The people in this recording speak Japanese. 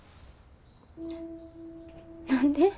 何で？